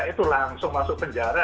itu langsung masuk penjara